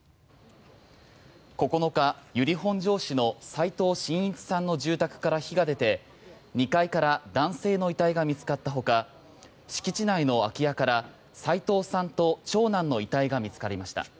９日、由利本荘市の齋藤真一さんの住宅から火が出て２階から男性の遺体が見つかったほか敷地内の空き家から齋藤さんと長男の遺体が見つかりました。